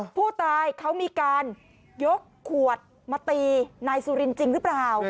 ผู้ตายเขามีการยกขวดมาตีนายสุรินทร์จริงหรือเปล่า